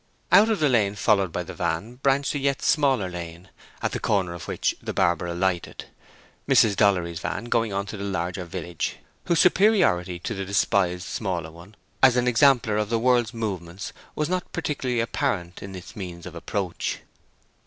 Out of the lane followed by the van branched a yet smaller lane, at the corner of which the barber alighted, Mrs. Dollery's van going on to the larger village, whose superiority to the despised smaller one as an exemplar of the world's movements was not particularly apparent in its means of approach.